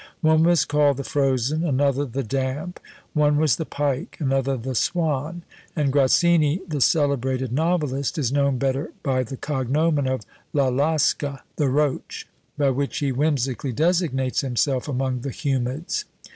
One was called "the Frozen," another "the Damp;" one was "the Pike," another "the Swan:" and Grazzini, the celebrated novelist, is known better by the cognomen of La Lasca, "the Roach," by which he whimsically designates himself among the "Humids."